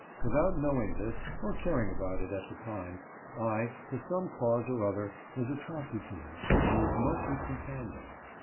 Without knowing this, or caring about it at the time, I, for some cause or other, was attracted to him, and was much his companion.